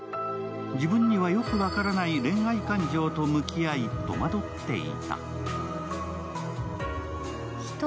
自分にはよく分からない恋愛感情と向き合い戸惑っていた。